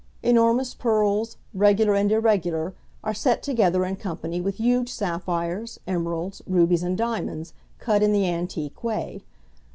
Enormous pearls, regular and irregular, are set together in company with huge sapphires, emeralds, rubies and diamonds, cut in the antique way.